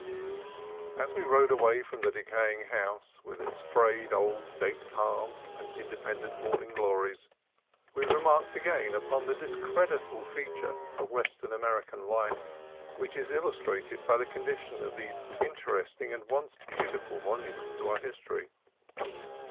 As we rode away from the decaying house, with its frayed old date palms and independent morning glories, we remarked again upon the discreditable feature of Western American life which is illustrated by the condition of these interesting and once beau tiful monuments of our history.